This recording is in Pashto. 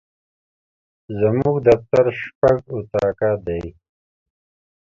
زموږ دفتر شپږ اطاقه دي.